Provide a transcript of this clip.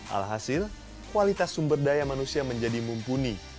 alhasil kualitas sumber daya manusia menjadi mumpuni